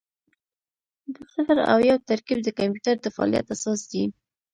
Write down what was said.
د صفر او یو ترکیب د کمپیوټر د فعالیت اساس دی.